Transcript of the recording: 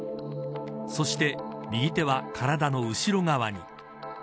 そして、右手は体の後ろ側に。